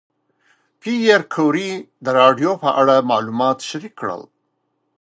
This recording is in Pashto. پېیر کوري د راډیوم په اړه معلومات شریک کړل.